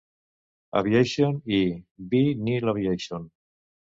Aviation i Vee Neal Aviation.